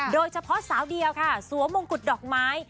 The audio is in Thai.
โดยเฉพาะสาวเดียวค่ะสวมมงกุฎดอกไม้